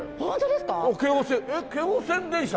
えっ京王線電車？